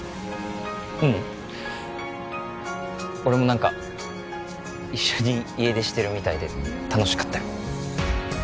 ううん俺も何か一緒に家出してるみたいで楽しかったよ